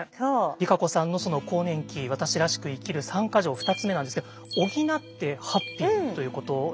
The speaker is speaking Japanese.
ＲＩＫＡＣＯさんのその更年期私らしく生きる３か条２つ目なんですけど「補ってハッピー」ということですね。